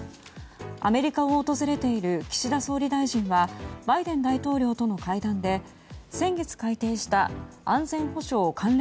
アメリカを訪れている岸田総理大臣はバイデン大統領との会談で先月改定した安全保障関連